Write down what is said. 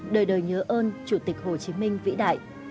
đời đời nhớ ơn chủ tịch hồ chí minh vĩ đại